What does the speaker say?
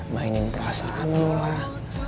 mainin perasaan lo lah